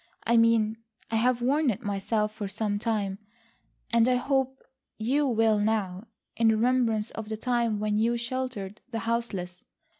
I mean I have worn it myself for some time, and I hope you will now, in remembrance of the time when you sheltered the houseless."